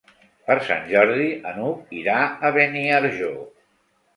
Per Sant Jordi n'Hug irà a Beniarjó.